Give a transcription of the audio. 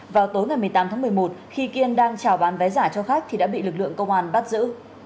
vào tối ngày một mươi tám tháng một mươi một khi kiên đang trào bán vé giả cho khách thì đã bị lực lượng công an bắt giữ